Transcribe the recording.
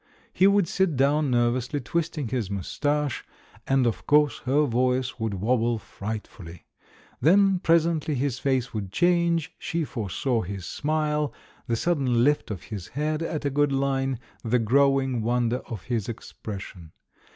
He would sit down nervously, twisting his moustache, and, of course, her voice would wobble frightfully. Then presently his face would change — she foresaw his smile, the sudden Hft of his head at a good line, 284s THE MAN WHO UNDERSTOOD WOMEN the growing wonder of his expression.